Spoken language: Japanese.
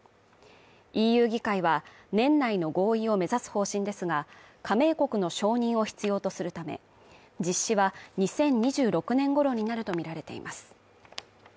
ＥＵ議会は年内の合意を目指す方針ですが、加盟国の承認を必要とするため実施は２０２６年頃になるとみられています。